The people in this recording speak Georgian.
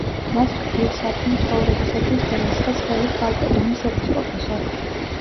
მას ღვთივსათნო ცხოვრებისათვის დაასხეს ხელი ქალკედონის ეპისკოპოსად.